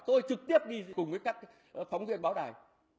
tôi trực tiếp đi cùng với các phóng viên báo đài